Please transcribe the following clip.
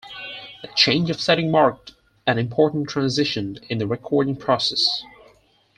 The change of setting marked an important transition in the recording process.